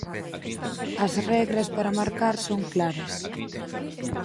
As regras para marcar son claras: